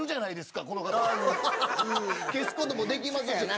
消すこともできますし。